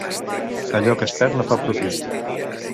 Allò que es perd no fa profit.